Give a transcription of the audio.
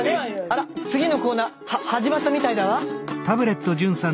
あら次のコーナーは始まったみたいだわ。